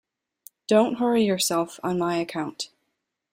Don't hurry yourself on my account.